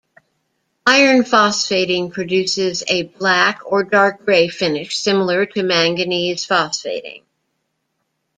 Iron phosphating produces a black or dark gray finish similar to manganese phosphating.